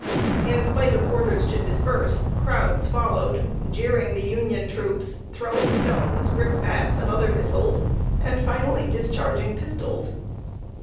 In spite of orders to disperse, crowds followed, jeering the Union troops, throwing stones, brickbats, and other missiles, and finally discharging pistols.